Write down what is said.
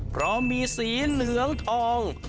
เพราะมีสีเหลืองทอง